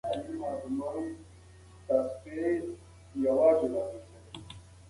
ایا ستا زوی ته د مېوې راوړل په یاد دي؟